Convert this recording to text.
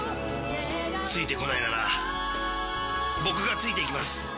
ついてこないなら僕がついていきます。